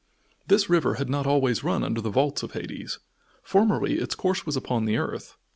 This river had not always run under the vaults of Hades. Formerly its course was upon the earth.